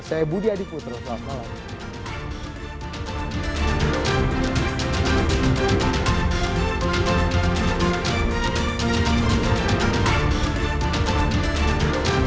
saya budi adiputro selamat malam